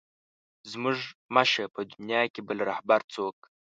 زموږ مه شه په دنیا کې بل رهبر څوک.